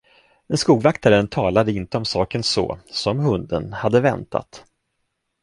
Men skogvaktaren talade inte om saken så, som hunden hade väntat.